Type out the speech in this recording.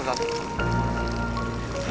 aku akan meninggalkan semuanya